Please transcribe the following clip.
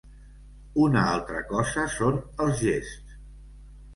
Una altra cosa són els gests.